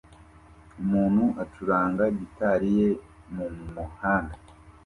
Umuntu acuranga gitari ye mumuhanda